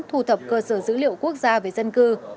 thu thập cơ sở dữ liệu quốc gia về dân cư